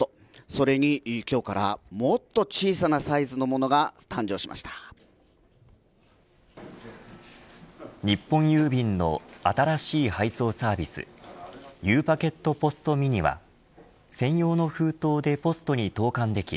それに今日からもっと小さなサイズのものが日本郵便の新しい配送サービスゆうパケットポストｍｉｎｉは専用の封筒でポストに投函でき